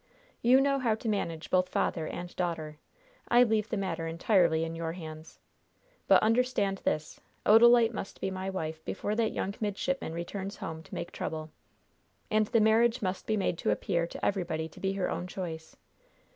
You know how to manage both father and daughter! I leave the matter entirely in your hands! But understand this Odalite must be my wife before that young midshipman returns home to make trouble. And the marriage must be made to appear to everybody to be her own choice.